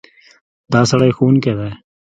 دا سړی ښوونکی دی.